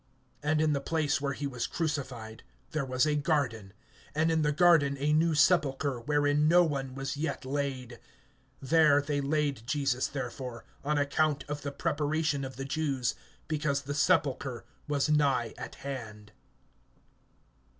(41)And in the place where he was crucified there was a garden, and in the garden a new sepulchre, wherein no one was yet laid. (42)There they laid Jesus therefore, on account of the preparation of the Jews, because the sepulchre was nigh at hand.